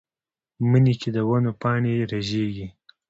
مني کې د ونو پاڼې رژېږي